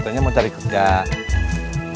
katanya mau cari kegah